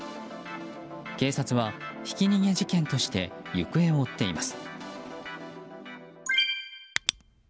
警察はひき逃げ事件として行方を追っています。